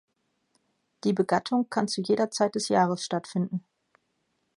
Die Begattung kann zu jeder Zeit des Jahres stattfinden.